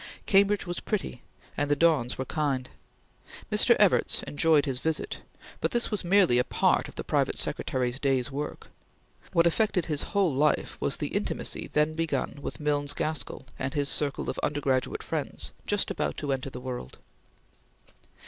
Cambridge was pretty, and the dons were kind. Mr. Evarts enjoyed his visit but this was merely a part of the private secretary's day's work. What affected his whole life was the intimacy then begun with Milnes Gaskell and his circle of undergraduate friends, just about to enter the world.